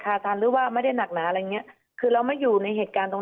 อะไรอย่างเนี้ยคือเราไม่อยู่ในเหตุการณ์ตรง